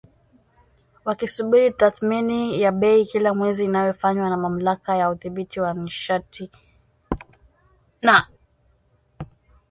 wakisubiri tathmini ya bei kila mwezi inayofanywa na Mamlaka ya Udhibiti wa Nishati na